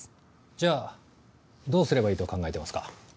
じゃあどうすればいいと考えてますか？